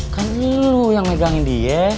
kan dulu yang megangin dia